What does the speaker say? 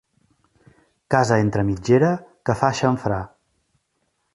Casa entre mitgera que fa xamfrà.